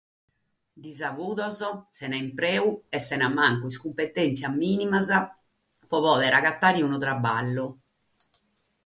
Disabudos, sena impreu e sena mancu sas cumpetèntzias mìnimas pro pòdere agatare unu traballu.